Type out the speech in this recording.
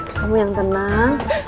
kamu yang tenang